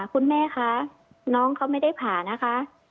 คุณแม่คะน้องเขาไม่ได้ผ่านะคะ